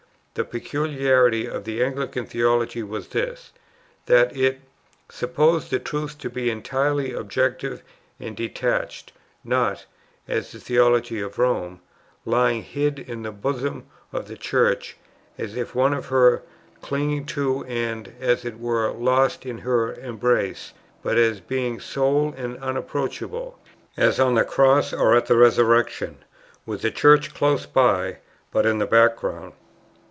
The peculiarity of the Anglican theology was this, that it "supposed the Truth to be entirely objective and detached, not" (as in the theology of Rome) "lying hid in the bosom of the Church as if one with her, clinging to and (as it were) lost in her embrace, but as being sole and unapproachable, as on the Cross or at the Resurrection, with the Church close by, but in the background."